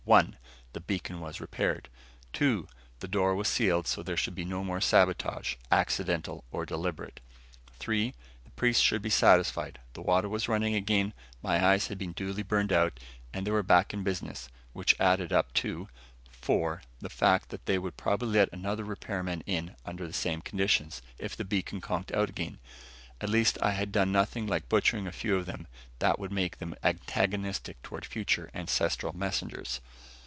One: The beacon was repaired. Two: The door was sealed, so there should be no more sabotage, accidental or deliberate. Three: The priests should be satisfied. The water was running again, my eyes had been duly burned out, and they were back in business. Which added up to Four: The fact that they would probably let another repairman in, under the same conditions, if the beacon conked out again. At least I had done nothing, like butchering a few of them, that would make them antagonistic toward future ancestral messengers.